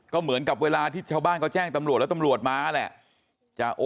ก็เหมือนกับเวลาที่ชาวบ้านเขาแจ้งตำรวจแล้วตำรวจมาแหละ